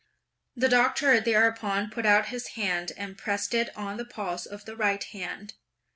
The Doctor thereupon put out his hand and pressed it on the pulse of the right hand.